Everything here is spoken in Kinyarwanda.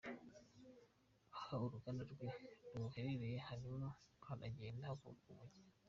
Aha uruganda rwe ruherereye, harimo haragenda havuka umujyi.